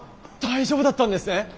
大丈夫だったんですね！？